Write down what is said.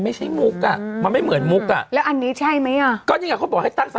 มุกอ่ะมันไม่เหมือนมุกอ่ะแล้วอันนี้ใช่ไหมอ่ะก็นี่ไงเขาบอกให้ตั้งไฟ